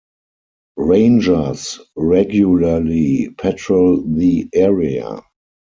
Rangers regularly patrol the area.